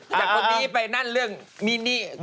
จากคนนี้ไปนั่นเรื่องมินนี่